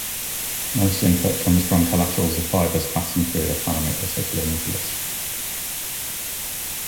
Most input comes from collaterals of fibers passing through the thalamic reticular nucleus.